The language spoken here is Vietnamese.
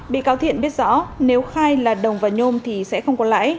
bị cáo thiện biết rõ nếu khai là đồng và nhôm thì sẽ không có lãi